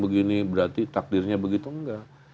begini berarti takdirnya begitu enggak